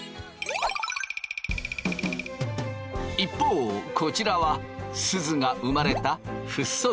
一方こちらはすずが生まれた私は何やと！